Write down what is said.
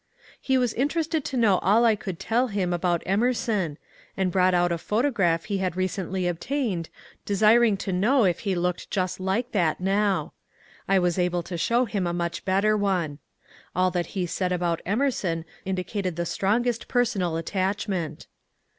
He was interested to know all I could tell him about Emer son, and brought out a photograph he had recently obtained, desiring to know if he looked just like that now. I was able to show him a much better one. All that he said about Emer son indicated the strongest personal attachment.